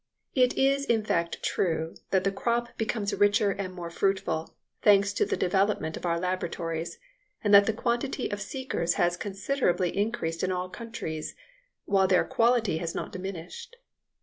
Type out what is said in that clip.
It is in fact true that the crop becomes richer and more fruitful, thanks to the development of our laboratories, and that the quantity of seekers has considerably increased in all countries, while their quality has not diminished.